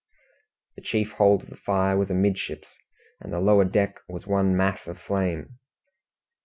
The chief hold of the fire was amidships, and the lower deck was one mass of flame.